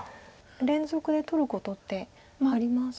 連続で取ることってあります？